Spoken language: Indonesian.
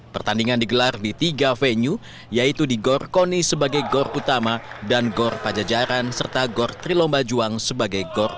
pertandingan digelar di tiga venue yaitu di gor koni sebagai gor utama dan gor pajajaran serta gor trilomba juang sebagai gor